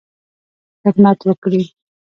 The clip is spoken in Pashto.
خدمت وکړې.